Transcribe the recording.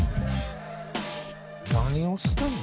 「何をしてんの？」